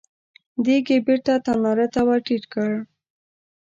دېګ يې بېرته تناره ته ور ټيټ کړ.